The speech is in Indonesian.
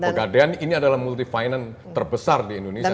pegadaian ini adalah multi finance terbesar di indonesia sekarang